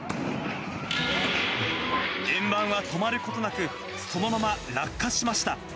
円盤は止まることなく、そのまま落下しました。